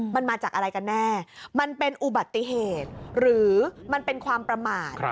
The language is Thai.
มันมาจากอะไรกันแน่มันเป็นอุบัติเหตุหรือมันเป็นความประมาท